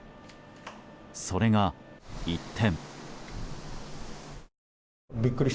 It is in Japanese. それが、一転。